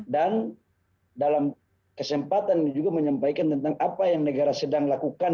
dan dalam kesempatan ini juga menyampaikan tentang apa yang negara sedang lakukan